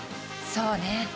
そうね。